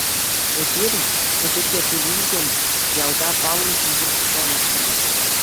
Эпир, пӗчӗккӗ пулин те, ялта паллӑ ҫынсем шутланаттӑмӑр.